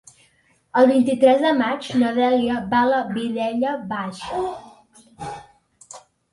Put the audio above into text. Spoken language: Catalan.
El vint-i-tres de maig na Dèlia va a la Vilella Baixa.